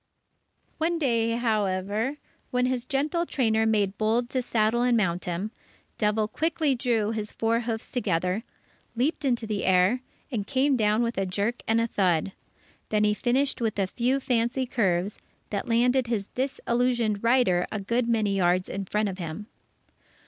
One day, however, when his gentle trainer made bold to saddle and mount him, Devil quickly drew his four hoofs together, leaped into the air, and came down with a jerk and a thud. Then he finished with a few fancy curves, that landed his disillusioned rider a good many yards in front of him.